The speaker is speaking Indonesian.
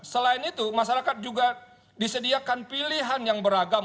selain itu masyarakat juga disediakan pilihan yang beragam